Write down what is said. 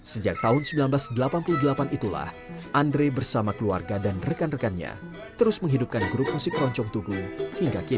sejak tahun seribu sembilan ratus delapan puluh delapan itulah andre bersama keluarga dan rekan rekannya terus menghidupkan grup musik keroncong tugu hingga kini